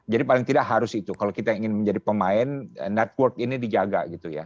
jadi paling tidak harus itu kalau kita ingin menjadi pemain network ini dijaga